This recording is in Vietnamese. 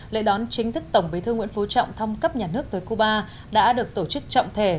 lễ đón chính thức tổng bí thư nguyễn phú trọng thông cấp nhà nước tới cuba đã được tổ chức trọng thể